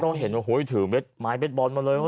ก็ต้องเห็นว่าถือไม้เบ็ดบอลมาเลย